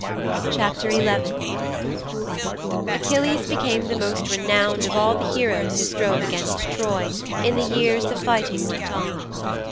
XI Achilles became the most renowned of all the heroes who strove against Troy in the years the fighting went on.